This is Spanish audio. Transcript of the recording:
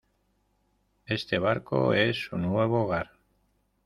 este barco es su nuevo hogar